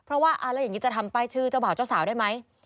เพราะว่าแล้วอย่างนี้จะทำป้ายชื่อเจ้าบ่าวเจ้าสาวได้ไหม